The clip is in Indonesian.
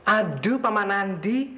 aduh paman andi